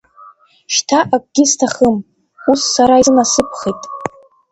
Шьҭа акгьы сҭахым, ус сара исынасыԥхеитеи.